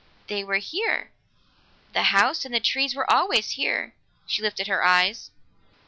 "They were here. The house and trees were always here." She lifted her eyes.